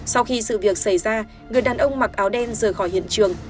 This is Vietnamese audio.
sau khi sự việc xảy ra người đàn ông mặc áo đen rời khỏi hiện trường